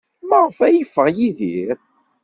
Maɣef ay yeffeɣ Yidir?